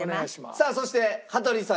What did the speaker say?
さあそして羽鳥さん